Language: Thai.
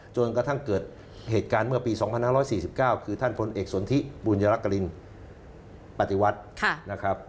จนกระทั่งเกิดเหตุการณ์เมื่อปี๒๕๔๙คือท่านพลเอกสนทิบุญยรักกรินปฏิวัตินะครับ